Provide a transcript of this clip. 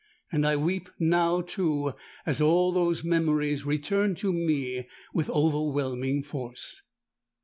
And I weep now, too, as all those memories return to me with overwhelming force.